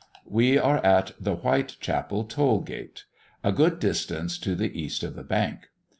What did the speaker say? We are at the Whitechapel toll gate, a good distance to the East of the Bank.